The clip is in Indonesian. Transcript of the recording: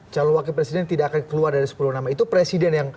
calon wakil presiden tidak akan keluar dari sepuluh nama itu presiden yang